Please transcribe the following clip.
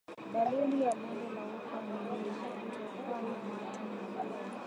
Dalili ya bonde la ufa ni mbuzi kutokwa mate hovyo